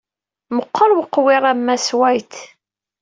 Meqqeṛ weqwiṛ n Mass White.